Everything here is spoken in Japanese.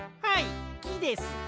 はいきです。